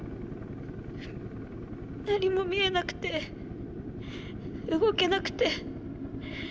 何も見えなくて動けなくて。